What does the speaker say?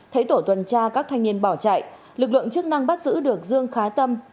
thấy tổ tuần tra các thanh niên bỏ chạy lực lượng chức năng bắt giữ được dương khá tâm